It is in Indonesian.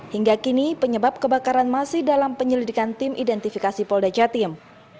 hingga kini penyebab kebakaran masih dalam penyelidikan tim identifikasi polda jatim